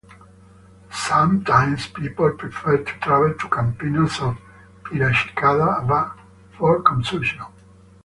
Sometimes, people prefer to travel to Campinas or Piracicaba for consumption.